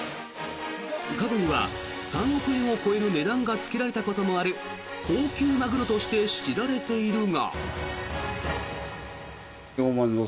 過去には３億円を超える値段がつけられたこともある高級マグロとして知られているが。